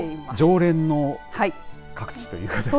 常連の各地という感じですね。